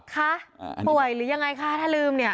คะป่วยหรือยังไงคะถ้าลืมเนี่ย